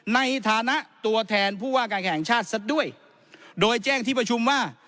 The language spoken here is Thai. ในฐานะตัวแทนผู้ว่าการแข่งชาติซะด้วยโดยแจ้งที่ประชุมว่า